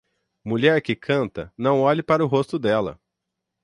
Mulher que canta, não olhe para o rosto dela.